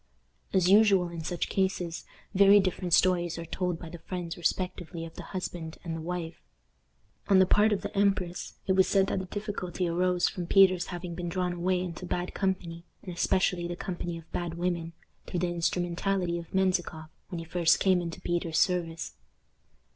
As usual in such cases, very different stories are told by the friends respectively of the husband and the wife. On the part of the empress it was said that the difficulty arose from Peter's having been drawn away into bad company, and especially the company of bad women, through the instrumentality of Menzikoff when he first came into Peter's service.